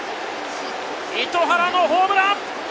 糸原のホームラン！